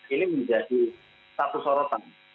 ini menjadi satu sorotan